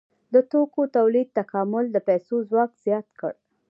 د توکو تولید تکامل د پیسو ځواک زیات کړ.